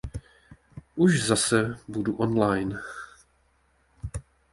Už zase budu online.